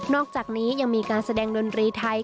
อกจากนี้ยังมีการแสดงดนตรีไทย